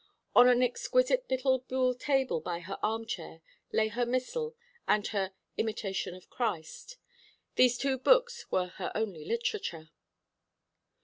On an exquisite little buhl table by her armchair lay her missal and her Imitation of Christ. These two books were her only literature.